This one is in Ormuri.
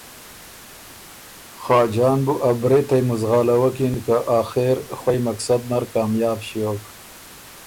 خاجان بُو ا برېتئ مُزغالوَکِن که آخېر خوئ مقصد نر کامیاب ݭیوک